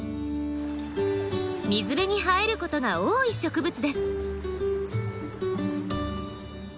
水辺に生えることが多い植物です。